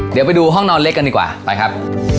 เดี๋ยวไปดูห้องนอนเล็กกันดีกว่าไปครับ